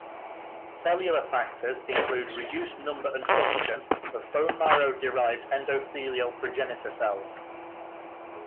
Cellular factors include reduced number and function of bone-marrow derived endothelial progenitor cells.